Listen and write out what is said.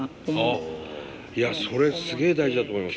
いやそれすげえ大事だと思います